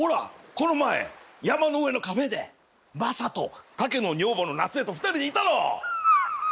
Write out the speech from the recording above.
この前山の上のカフェでマサとタケの女房の夏恵と２人でいたろ？